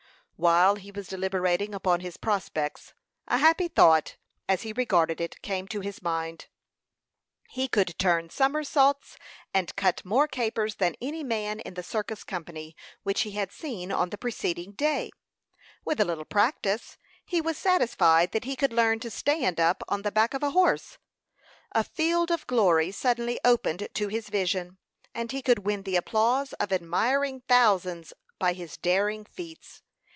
While he was deliberating upon his prospects, a happy thought, as he regarded it, came to his mind. He could turn somersets, and cut more capers than any man in the circus company which he had seen on the preceding day. With a little practice, he was satisfied that he could learn to stand up on the back of a horse. A field of glory suddenly opened to his vision, and he could win the applause of admiring thousands by his daring feats.